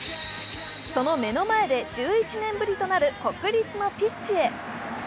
その目の前で１１年ぶりとなる国立のピッチへ。